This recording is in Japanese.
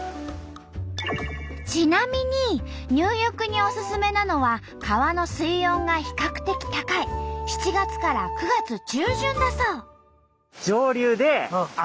ちなみに入浴におすすめなのは川の水温が比較的高い７月から９月中旬だそう。